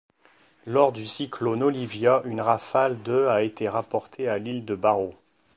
Lors du cyclone Olivia, une rafale de a été rapportée à l’île de Barrow.